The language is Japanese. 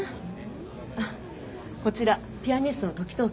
あっこちらピアニストの時任君。